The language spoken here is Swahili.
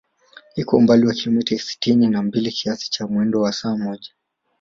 Iko umbali wa kilomita sitini na mbili kiasi cha mwendo wa saa moja